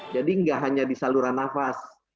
jadi nggak hanya di saluran nafas